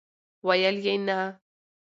ویل یې، نه!!!